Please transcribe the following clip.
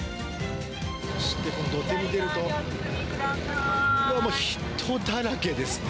そして、この土手に出ると、うわっ、もう人だらけですね。